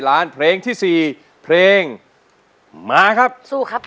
ล้านเพลงที่สี่เพลงมาครับสู้ครับ